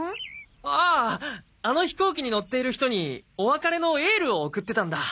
あああの飛行機に乗っている人にお別れのエールを送ってたんだ。